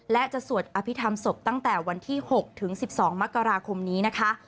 และจะสวดอภิษฐรรมศพตั้งแต่วันที่๖ถึง๑๒มกราคมนี้นะคะ